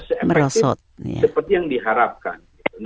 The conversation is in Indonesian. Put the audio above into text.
se efektif seperti yang diharapkan